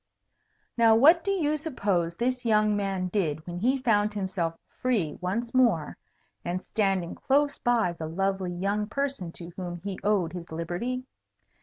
Now what do you suppose this young man did when he found himself free once more, and standing close by the lovely young person to whom he owed his liberty?